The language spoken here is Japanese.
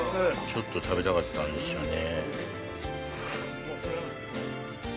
ちょっと食べたかったんですよね。